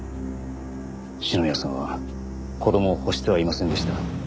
篠宮さんは子供を欲してはいませんでした。